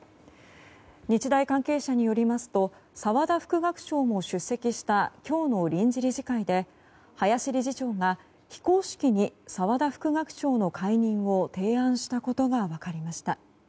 日大関係者によりますと澤田副学長も出席した今日の臨時理事会で林理事長が非公式に澤田副学長の解任を提案したことが分かりました。